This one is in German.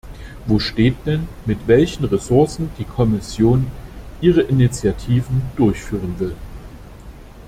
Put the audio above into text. Wo steht denn, mit welchen Ressourcen die Kommission ihre Initiativen durchführen will?